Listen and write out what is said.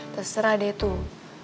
terserah deh tuh